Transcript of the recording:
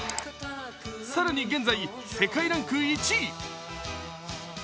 更に現在、世界ランク１位。